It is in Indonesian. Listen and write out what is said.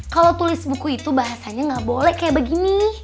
kalau tulis buku itu bahasanya gak boleh kayak begini